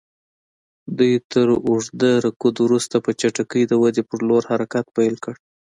دوی تر اوږده رکود وروسته په چټکۍ د ودې پر لور حرکت پیل کړ.